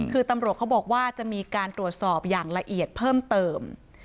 คือตำรวจเขาบอกว่าจะมีการตรวจสอบอย่างละเอียดเพิ่มเติม